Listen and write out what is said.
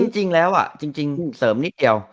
จริงแล้วจริงเสริมนิดเดียว